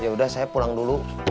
yaudah saya pulang dulu